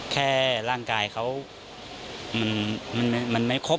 แค่ร่างกายเขามันไม่ครบ